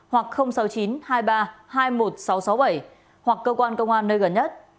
hoặc sáu mươi chín hai mươi ba hai mươi một nghìn sáu trăm sáu mươi bảy hoặc cơ quan công an nơi gần nhất